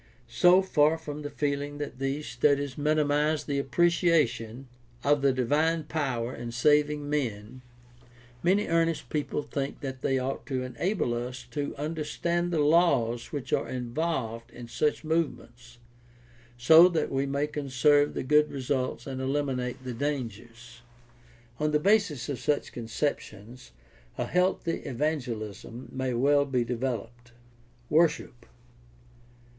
So far from feeling that these studies minimize the appreciation of the divine power in saving men, many earnest people think that they ought to enable us to understand the laws which are in volved in such movements, so that we may conserve the good results and eliminate the dangers. On the basis of such con ceptions a healthy evangelism may well be developed. Worship.